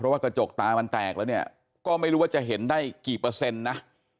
ว่ากระจกตามันแตกแล้วเนี่ยก็ไม่รู้ว่าจะเห็นได้กี่เปอร์เซ็นต์นะ